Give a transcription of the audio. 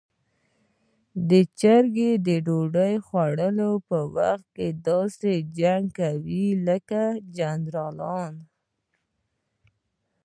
چرګې د ډوډۍ خوړلو په وخت کې داسې جنګ کوي لکه جنرالان.